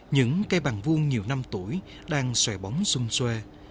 những cây bàn vuông nhiều năm tuổi đang xòe bóng xung xuê